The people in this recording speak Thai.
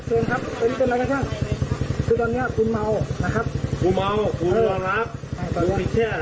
กูพิเศษอะไรศิษย์ตำรวจเหรอ